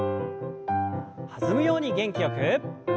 弾むように元気よく。